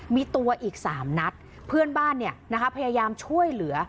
มีตัวอีก๓นัดเพื่อนบ้านพยายามช่วยเหลือ